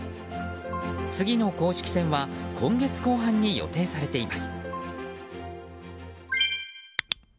次の公式戦は今月後半に予定されています。